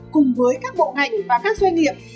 cùng với các bộ ngành và các doanh nghiệp